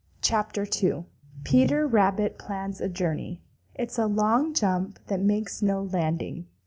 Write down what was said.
CHAPTER II PETER RABBIT PLANS A JOURNEY It's a long jump that makes no landing.